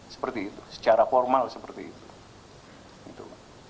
seperti itu secara formal seperti itu